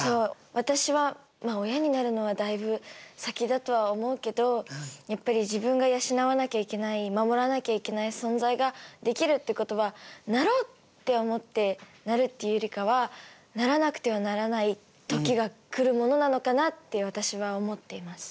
私は親になるのはだいぶ先だとは思うけどやっぱり自分が養わなきゃいけない守らなきゃいけない存在ができるってことはなろうって思ってなるっていうよりかはならなくてはならない時が来るものなのかなって私は思っています。